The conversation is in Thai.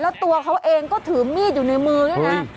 แล้วตัวเขาเองก็ถือมีดอยู่ในมือด้วยนะ